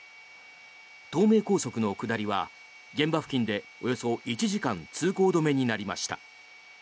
東名高速の下りは、現場付近でおよそ１時間通行止めになりました。